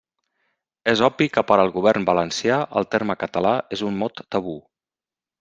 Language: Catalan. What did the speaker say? És obvi que per al govern valencià el terme català és un mot tabú.